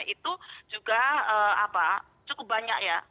itu juga cukup banyak ya